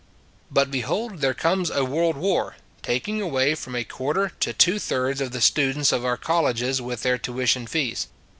But, behold, there comes a world war, taking away from a quarter to two thirds of the students of our colleges with their tuition fees.